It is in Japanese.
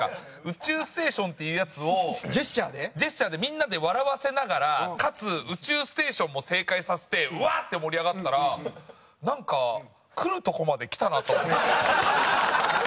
「宇宙ステーション」っていうやつをジェスチャーでみんなで笑わせながらかつ「宇宙ステーション」も正解させてワッ！って盛り上がったらなんか来るとこまで来たなと思って。